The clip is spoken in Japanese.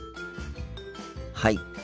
はい。